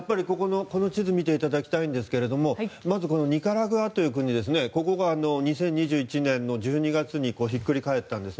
この地図を見ていただきたいんですがまず、ニカラグアという国は２０２１年１２月にひっくり返ったんです。